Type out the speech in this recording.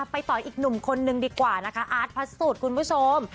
ไปต่ออีกหนุ่มคนนึงดีกว่านะคะอาร์ตพระสุทธิ์คุณผู้ชม